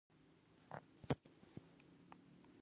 ازادي راډیو د سوداګري په اړه د شخړو راپورونه وړاندې کړي.